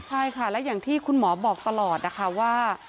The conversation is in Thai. ใช่ค่ะและอย่างที่คุณหมอบอกตลอดนะคะว่า